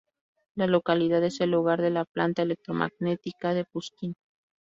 La localidad es el hogar de la Planta Electromecánica de Pushkin.